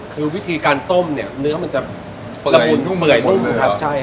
คือวิธีการต้มเนี้ยเนื้อมันจะเปลืองครับใช่ค่ะ